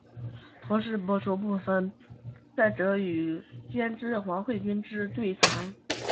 同时播出部分参赛者与监制黄慧君之对谈。